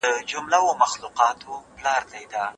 که زده کوونکي یاداښت وساتي، مهم معلومات نه ورکيږي.